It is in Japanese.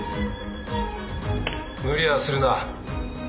無理はするな。